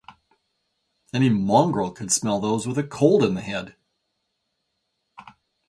Any mongrel could smell those with a cold in the head.